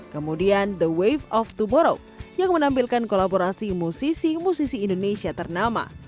kemudian the wave of to borok yang menampilkan kolaborasi musisi musisi indonesia ternama